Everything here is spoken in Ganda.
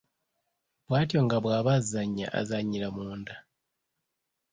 Bwatyo nga bw’aba azannya azannyira munda.